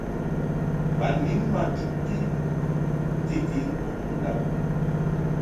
Ba lin ma chuʼti njiti ŋkud ndab.